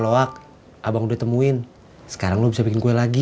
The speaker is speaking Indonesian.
loak abang udah temuin sekarang lo bisa bikin kue lagi